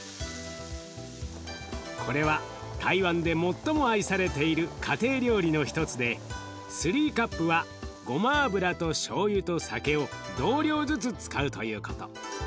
これは台湾で最も愛されている家庭料理の一つで３カップはごま油としょうゆと酒を同量ずつ使うということ。